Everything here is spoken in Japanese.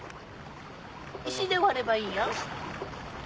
石で割ればいいよ。